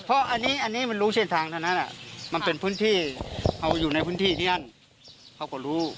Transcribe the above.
เพราะอันนี้มันรู้เส้นทางเท่านั้นมันเป็นพื้นที่เอาอยู่ในพื้นที่ที่นั่นเขาก็รู้